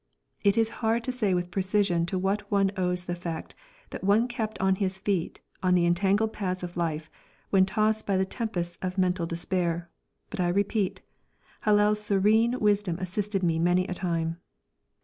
It is hard to say with precision to what one owes the fact that one kept on his feet on the entangled paths of life, when tossed by the tempests of mental despair, but I repeat Hillel's serene wisdom assisted me many a time.